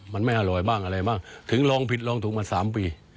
มันไม่อร่อยบ้างอะไรบ้างถึงลองผิดลองถูกมา๓ปี